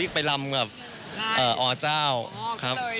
ไปลำกับอเจ้าครับ